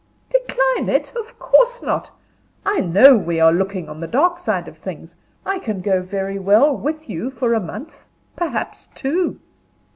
"Decline it! Oh, of course not! I know we are looking on the dark side of things. I can go very well with you for a month perhaps two."